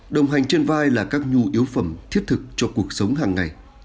đồng hành trên vai là các nhu yếu phẩm thiết thực cho cuộc sống hàng ngày